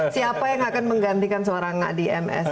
siapa yang akan menggantikan seorang di ms